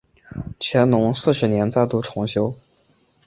乾隆四十年再度重修。